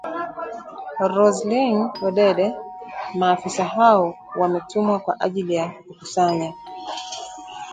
Roselyn Odede, maafisa hao wametumwa kwa ajili ya kukusanya